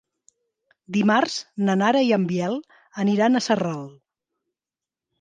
Dimarts na Nara i en Biel aniran a Sarral.